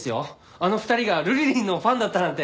あの２人がルリリンのファンだったなんて。